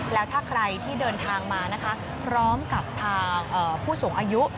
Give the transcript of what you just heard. แล้วถ้าใครที่เดินทางมานะคะพร้อมกับทางผู้สูงอายุ